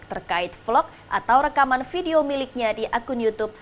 terkait vlog atau rekaman video miliknya di akun youtube